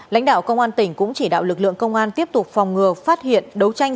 lãnh đạo công an tỉnh cũng chỉ đạo lực lượng công an tiếp tục phòng ngừa phát hiện đấu tranh